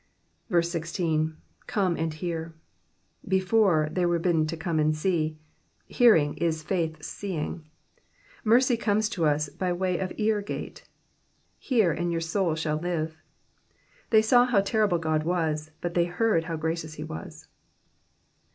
IB. ^^CofM and henr,*^ Before, they were bidden to come and see. Hearing is faith^s seeing. Mercy comes to us by way of iear gate. Hear, and your soiS shall live.'^ They saw how terrible Qod was, but they heard how gracious he was.